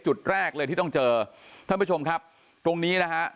จุดแรกเลยที่ต้องเจอท่านผู้ชมครับตรงนี้นะฮะ